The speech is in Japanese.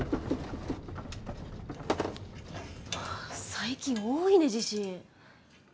最近多いね地震。